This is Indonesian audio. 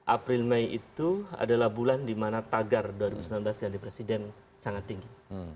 april mei itu adalah bulan di mana tagar dua ribu sembilan belas ganti presiden sangat tinggi